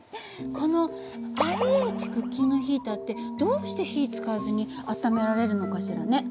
このＩＨクッキングヒーターってどうして火使わずに温められるのかしらね？